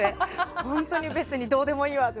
本当に別にどうでもいいわって。